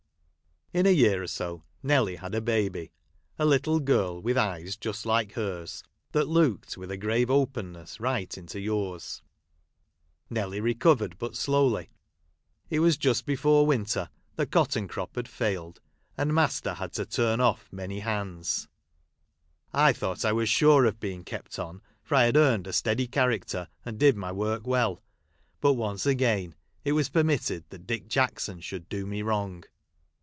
In a year or so, Nelly had a baby, — a little girl, with eyes just like hers, that looked with a grave openness right into yours. Nelly recovered but slowly. It Avas just before 330 HOUSEHOLD WOEDS. [Conducted by winter, the cotton crop had failed, and master had to turn off many hands. I thought I was sure of being kept on, for I had earned a steady character, and did my work well ; but once again it was permitted that Dick Jackson should do me wrong.